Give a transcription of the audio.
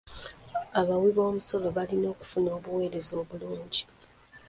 Abawiboomusolo balina okufuna obuweereza obulungi.